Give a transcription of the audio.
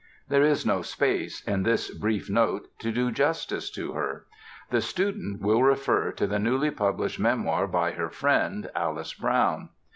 There is no space, in this brief note, to do justice to her. The student will refer to the newly published memoir by her friend, Alice Brown.